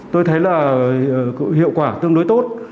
tôi thấy là hiệu quả tương đối tốt